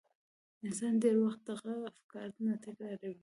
انسان ډېر وخت دغه افکار نه تکراروي.